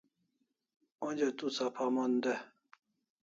Onja tu sapha mon de